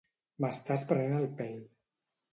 M'estàs prenent el pèl.